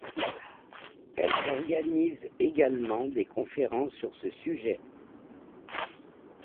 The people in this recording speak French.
Elles organisent également des conférences sur ce sujet.